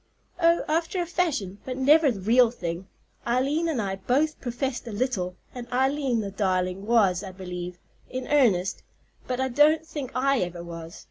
"Oh, after a fashion, but never the real thing. Eileen and I both professed a little, and Eileen, the darling, was, I believe, in earnest; but I don't think I ever was.